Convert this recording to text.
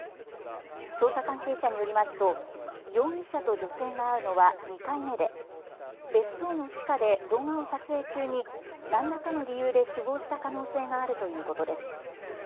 捜査関係者によりますと容疑者と女性が会うのは２回目で別荘の地下で動画を撮影中に何らかの理由で死亡した可能性があるということです。